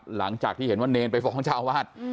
หลังจากที่เห็นว่าเนรไปฟ้องเจ้าอาวาส